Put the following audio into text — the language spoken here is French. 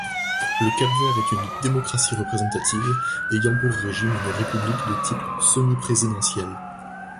Le Cap-Vert est une démocratie représentative, ayant pour régime une république de type semi-présidentiel.